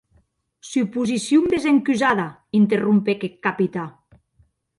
Suposicion desencusada, interrompec eth Capitan.